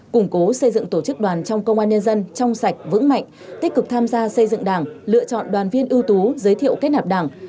củng cố xây dựng tổ chức đoàn trong công an nhân dân trong sạch vững mạnh tích cực tham gia xây dựng đảng lựa chọn đoàn viên ưu tú giới thiệu kết nạp đảng